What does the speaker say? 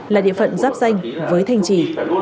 là địa phận giáp danh với thanh trì